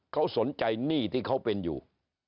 เขาสนใจหนี้ที่เขาเป็นอยู่